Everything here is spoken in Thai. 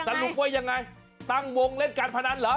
สรุปว่ายังไงตั้งวงเล่นการพนันเหรอ